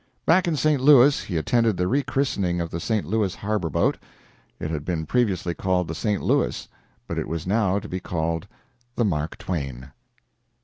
Back in St. Louis, he attended the rechristening of the St. Louis harbor boat; it had been previously called the "St. Louis," but it was now to be called the "Mark Twain."